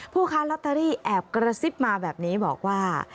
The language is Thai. ค้าลอตเตอรี่แอบกระซิบมาแบบนี้บอกว่า